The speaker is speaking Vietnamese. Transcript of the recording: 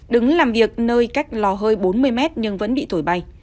đứng làm việc nơi cách lò hơi bốn mươi mét nhưng vẫn bị thổi bay